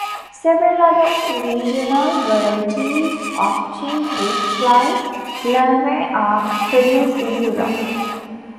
Several other regional varieties of cheese with fly larvae are produced in Europe.